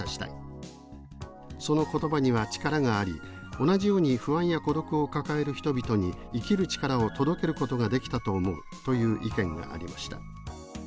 その言葉には力があり同じように不安や孤独を抱える人々に生きる力を届けることができたと思う」という意見がありました。